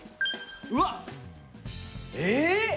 うわっえっ！